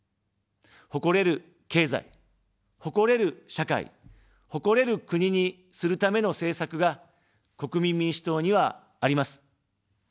誇れる経済、誇れる社会、誇れる国にするための政策が、国民民主党にはあります。